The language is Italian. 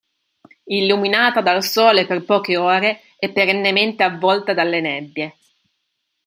Illuminata dal sole per poche ore, è perennemente avvolta dalle nebbie.